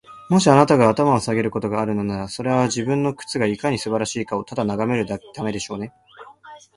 もし、あなたが頭を下げることがあるのなら、それは、自分の靴がいかに素晴らしいかをただ眺めるためでしょうね。